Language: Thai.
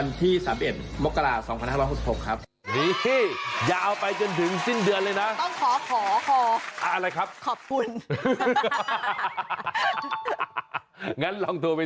นอกกอคืออะไรโอเคนอกกอคืออะไร